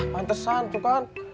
pantesan tuh kan